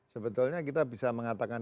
sebetulnya kita bisa mengatakan